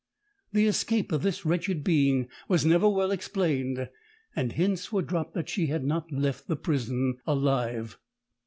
The escape of this wretched being was never well explained, and hints were dropped that she had not left the prison alive.